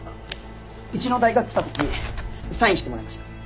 うちの大学に来た時サインしてもらいました。